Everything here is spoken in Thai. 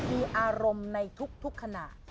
มีอารมณ์ในทุกขณะ